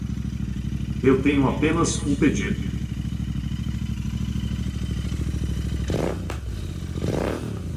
Eu tenho apenas um pedido